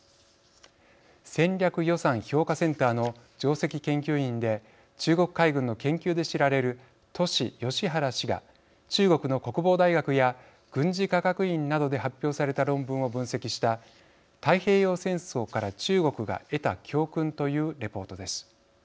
戦略予算評価センターの上席研究員で中国海軍の研究で知られるトシ・ヨシハラ氏が中国の国防大学や軍事科学院などで発表された論文を分析した「太平洋戦争から中国が得た教訓」というレポートです。